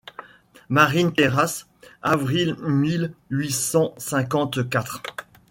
Marine-Terrace, avril mille huit cent cinquante-quatre.